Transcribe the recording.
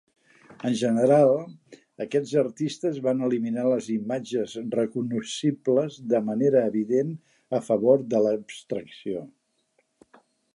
En general, aquests artistes van eliminar les imatges recognoscibles de manera evident a favor de l'abstracció.